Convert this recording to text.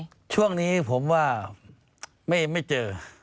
ช่วงนี้ผมว่าไม่เจอ